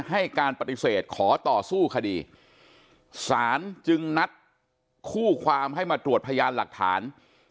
ให้การปฏิเสธขอต่อสู้คดีสารจึงนัดคู่ความให้มาตรวจพยานหลักฐาน